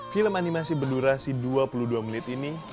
film animasi berdurasi dua puluh dua menit ini